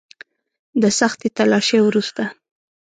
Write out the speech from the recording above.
د سختې تلاشۍ وروسته.